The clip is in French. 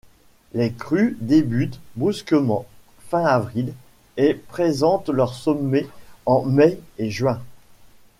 Les crues débutent brusquement fin avril et présentent leur sommet en mai et juin.